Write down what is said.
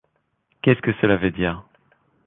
Qu’est-ce que cela veut dire